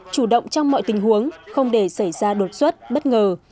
chủ động trong mọi tình huống không để xảy ra đột xuất bất ngờ